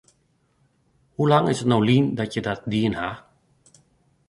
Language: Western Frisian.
Hoe lang is it no lyn dat je dat dien ha?